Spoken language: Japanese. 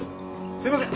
すいません。